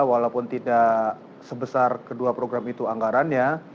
walaupun tidak sebesar kedua program itu anggarannya